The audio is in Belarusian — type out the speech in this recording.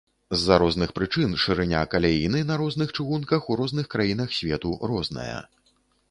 З-за розных прычын шырыня каляіны на розных чыгунках у розных краінах свету розная.